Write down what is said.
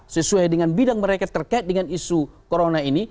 sesuai dengan bidang mereka terkait dengan isu corona ini